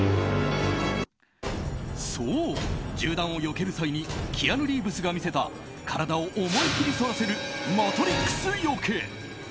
そう、銃弾をよける際にキアヌ・リーブスが見せた体を思い切りそらせるマトリックスよけ。